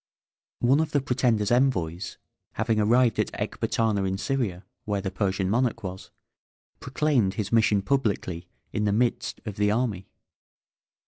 One of the pretender's envoys having arrived at Ecbatana, in Syria, where the Persian monarch was, proclaimed his mission publicly in the midst of the army.